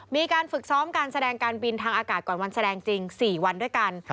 มีการฝึกซ้อมการแสดงการบินทางอากาศก่อนวันแสดงจริง๔วันด้วยกัน